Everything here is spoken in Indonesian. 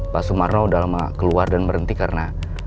pak sumarno udah lama keluar dan berhenti karena